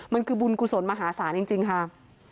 มันคือบุญกุศลมหาศาลจริงค่ะ